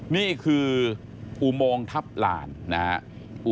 นี่คืออุโมงทัพลานนะครับ